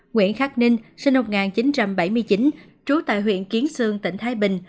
nguyễn khắc ninh sinh năm một nghìn chín trăm bảy mươi chín trú tại huyện kiến sương tỉnh thái bình